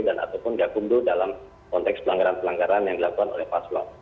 dan ataupun gakumdu dalam konteks pelanggaran pelanggaran yang dilakukan oleh paslon